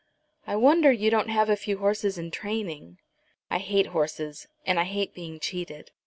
"I wonder you don't have a few horses in training." "I hate horses, and I hate being cheated."